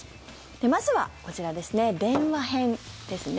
まずはこちら、電話編ですね。